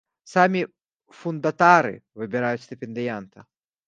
Самі фундатары выбіраюць стыпендыята.